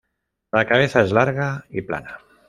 La cabeza es larga y plana.